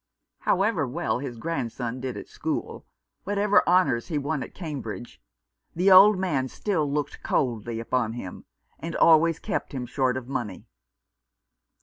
However well his grandson did at school, what ever honours he won at Cambridge, the old man still looked coldly upon him, and always kept him short of money.